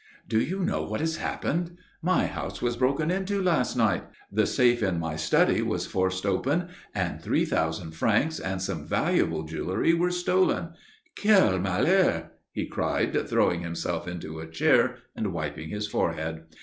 "Do you know what has happened? My house was broken into last night. The safe in my study was forced open, and three thousand francs and some valuable jewelry were stolen. Quel malheur!" he cried, throwing himself into a chair, and wiping his forehead.